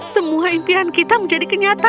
semua impian kita menjadi kenyataan